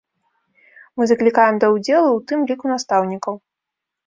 Мы заклікаем да ўдзелу у тым ліку настаўнікаў.